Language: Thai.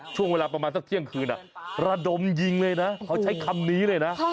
ช่วงเวลาประมาณสักเที่ยงคืนระดมยิงเลยนะเขาใช้คำนี้เลยนะ